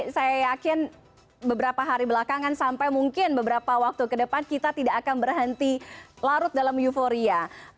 saya yakin beberapa hari belakangan sampai mungkin beberapa waktu ke depan kita tidak akan berhenti larut dalam euforia